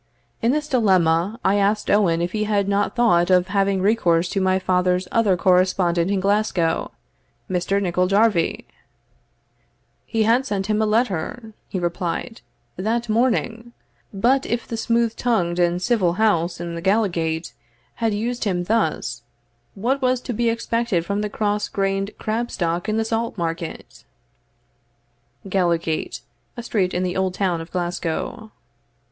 In this dilemma, I asked Owen if he had not thought of having recourse to my father's other correspondent in Glasgow, Mr. Nicol Jarvie? "He had sent him a letter," he replied, "that morning; but if the smooth tongued and civil house in the Gallowgate* had used him thus, what was to be expected from the cross grained crab stock in the Salt Market? * [A street in the old town of Glasgow.